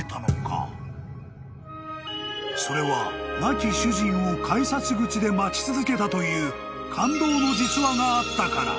［それは亡き主人を改札口で待ち続けたという感動の実話があったから］